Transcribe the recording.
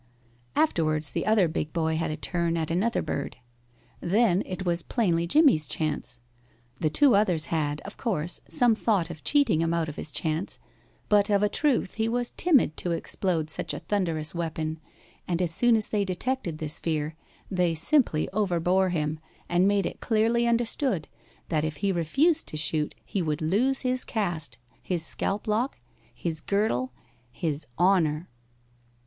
Afterwards the other big boy had a turn at another bird. Then it was plainly Jimmie's chance. The two others had, of course, some thought of cheating him out of this chance, but of a truth he was timid to explode such a thunderous weapon, and as soon as they detected this fear they simply overbore him, and made it clearly understood that if he refused to shoot he would lose his caste, his scalp lock, his girdle, his honor.